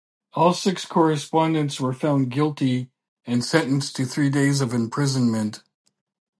All six correspondents were found guilty and sentenced to three days of imprisonment.